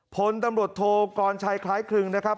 พลตำรวจโทกรชัยคล้ายครึ่งนะครับ